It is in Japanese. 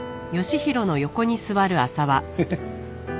ヘヘッ。